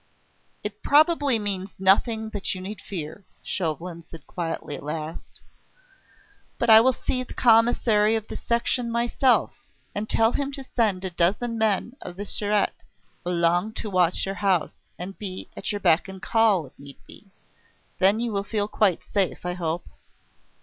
"It probably means nothing that you need fear," Chauvelin said quietly at last. "But I will see the Commissary of the Section myself, and tell him to send a dozen men of the Surete along to watch your house and be at your beck and call if need be. Then you will feel quite safe, I hope."